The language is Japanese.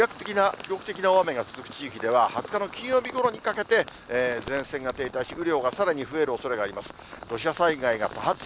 記録的な大雨が続く地域では、２０日の金曜日ごろにかけて、前線が停滞し、雨量がさらに増えるおそれがあります。